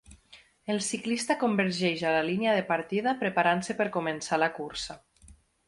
El ciclista convergeix a la línia de partida preparant-se per començar la cursa.